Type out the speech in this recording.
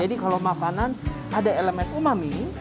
jadi kalau makanan ada elemen umami